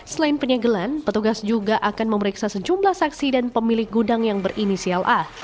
selain penyegelan petugas juga akan memeriksa sejumlah saksi dan pemilik gudang yang berinisial a